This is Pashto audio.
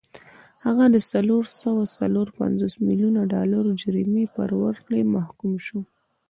هغه د څلور سوه څلور پنځوس میلیونه ډالرو جریمې پر ورکړې محکوم شو.